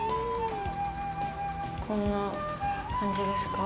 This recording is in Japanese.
こんな感じですか？